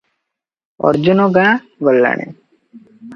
ଅର୍ଜୁନଗାଁ ଗଲାଣି?